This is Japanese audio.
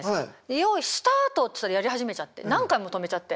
「用意スタート」って言ったらやり始めちゃって何回も止めちゃって。